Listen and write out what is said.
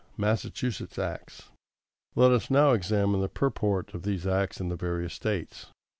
Massachusetts acts.= Let us now examine the purport of these acts in the various States.